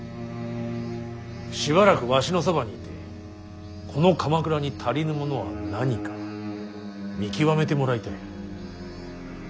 しばらくわしのそばにいてこの鎌倉に足りぬものは何か見極めてもらいたい。